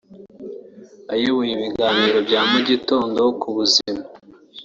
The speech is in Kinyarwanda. Ayoboye ibiganiro bya mu gitondo ku buzima